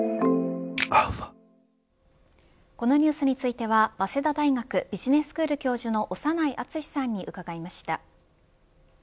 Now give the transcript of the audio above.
このニュースについては早稲田大学ビジネススクール教授の長内厚さんに伺いました。